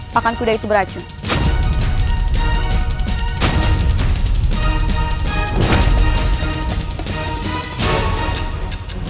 pakan kuda itu beracun